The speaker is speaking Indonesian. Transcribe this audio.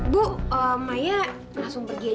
bu mai langsung pergi aja